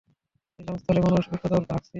নিলাম স্থলে মানুষ উচদর হাঁকছিল।